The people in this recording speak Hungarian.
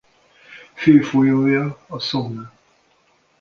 Fő folyója a Somme.